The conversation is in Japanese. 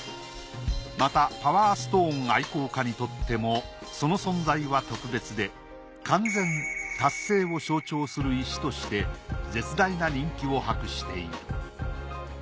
またパワーストーン愛好家にとってもその存在は特別で完全達成を象徴する石として絶大な人気を博している。